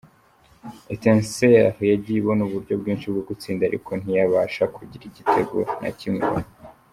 Etincelles yagiye ibona uburyo bwinshi bwo gutsinda iriko ntiyabasha kugira igitego na kimwe ibona.